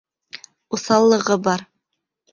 Уҫаллығы бар.